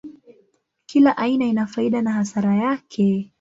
Kila aina ina faida na hasara yake.